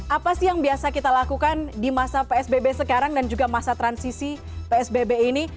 apa sih yang biasa kita lakukan di masa psbb sekarang dan juga masa transisi psbb ini